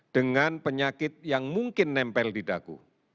dengan penyakit yang mungkin nempel di daku